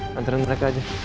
hantarin mereka aja